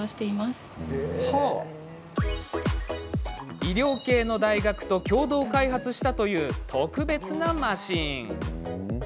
医療系の大学と共同開発したという特別なマシーン。